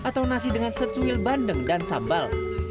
dan nasi dengan secuil bandeng dan sambal